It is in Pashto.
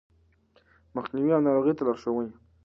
مخنيوی او ناروغ ته لارښوونې